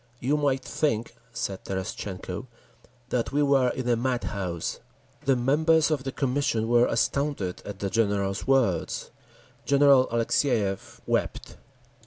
"You might think," said Terestchenko, "that we were in a madhouse!" The members of the Commission were astounded at the General's words. General Alexeyev wept.